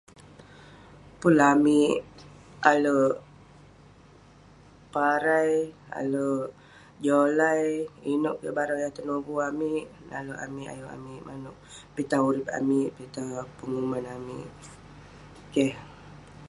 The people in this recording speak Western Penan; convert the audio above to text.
Pun la amik ale'erk parai, ale'erk jolai, inouk kek barang yah tenugu amik. Nanouk amik ayuk amik manouk- pitah urip amik, pitah penguman amik. Keh.